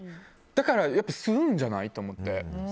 だから、吸うんじゃないと思って。